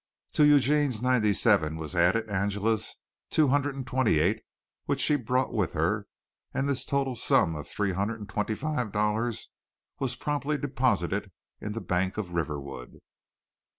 To Eugene's ninety seven was added Angela's two hundred and twenty eight which she brought with her, and this total sum of three hundred and twenty five dollars was promptly deposited in the Bank of Riverwood.